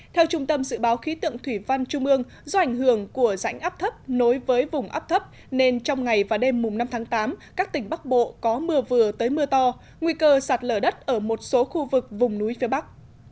theo trung tâm dự báo khí tượng thủy văn trung ương do ảnh hưởng của rãnh áp thấp nối với vùng áp thấp nên trong ngày và đêm năm tháng tám các tỉnh bắc bộ có mưa vừa tới mưa to nguy cơ sạt lở đất ở một số khu vực vùng núi phía bắc